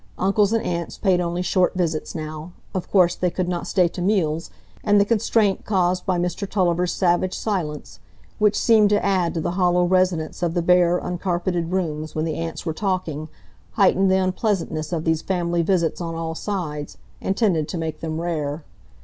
Uncles and aunts paid only short visits now; of course, they could not stay to meals, and the constraint caused by Mr Tulliver's savage silence, which seemed to add to the hollow resonance of the bare, uncarpeted room when the aunts were talking, heightened the unpleasantness of these family visits on all sides, and tended to make them rare.